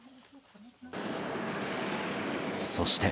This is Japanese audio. そして。